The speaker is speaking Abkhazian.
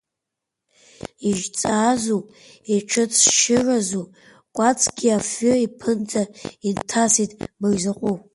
Ижьҵаазу, иҿыцшьыразу, кәацкгьы афҩы иԥынҵа инҭасит Мырзаҟәыл.